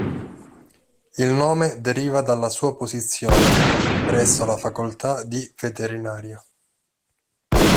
Il nome deriva dalla sua posizione, presso la "Facoltà di veterinaria".